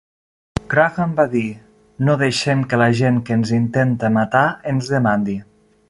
Graham va dir, 'No deixem que la gent que ens intenta matar, ens demandi".